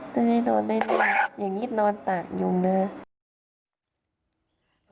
นั้นให้นอนได้ดีนะอย่างนี้นอนตากยุ่งน่ะทำไมครับ